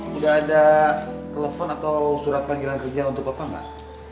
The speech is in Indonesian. udah ada telepon atau surat panggilan kerja untuk papa gak